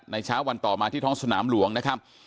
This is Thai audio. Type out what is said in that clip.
เช้าวันต่อมาที่ท้องสนามหลวงนะครับ